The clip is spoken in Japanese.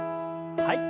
はい。